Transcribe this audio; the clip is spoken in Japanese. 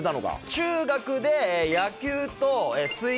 中学で。